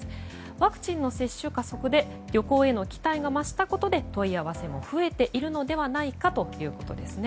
ワクチンの接種加速で旅行への期待が増したことで問い合わせも増えているのではないかということです。